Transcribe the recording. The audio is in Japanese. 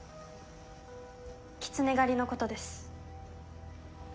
キツネ狩りのことです。